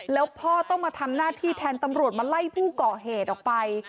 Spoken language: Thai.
แล้วพ่อต้องมาทำหน้าที่แทนตำรวจมาไล่ผู้ก่อเหตุออกไป